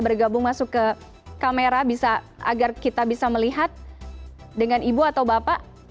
bergabung masuk ke kamera bisa agar kita bisa melihat dengan ibu atau bapak